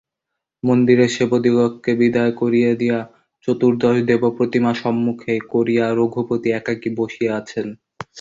মন্দিরের সেবকদিগকে বিদায় করিয়া দিয়া চতুর্দশ দেবপ্রতিমা সম্মুখে করিয়া রঘুপতি একাকী বসিয়া আছেন।